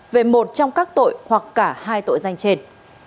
về một trong các tội hoặc cả hai tội danh trên